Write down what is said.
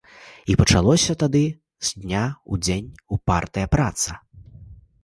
І пачалася тады з дня ў дзень упартая праца.